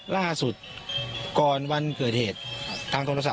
ล่าสุดก่อนวันเกิดเหตุทางโทรศัพ